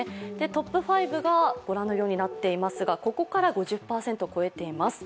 トップ５が御覧のようになっていますが、ここから５０％を超えています。